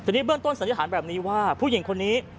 ทีนี้เบื้องต้นสันนิษฐานแบบนี้ว่าผู้หญิงคนนี้